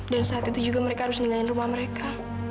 dan saat itu juga mereka harus nilainya rumah mereka